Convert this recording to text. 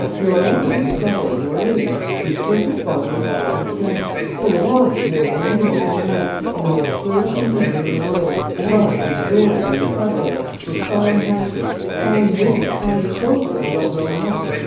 You are only in the flower of your age, in perfect bodily health and strength, full of honor more than any mortal man, in the most flourishing kingdom in the world, loved and adored by your subjects, with fine houses, fine women, fine children who are growing up."